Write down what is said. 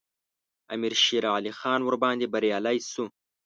امیر شېرعلي خان ورباندې بریالی شو.